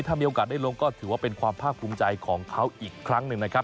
ถ้ามีโอกาสได้ลงก็ถือว่าเป็นความภาคภูมิใจของเขาอีกครั้งหนึ่งนะครับ